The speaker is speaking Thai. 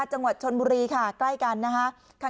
จังหวัดชนบุรีค่ะใกล้กันนะคะ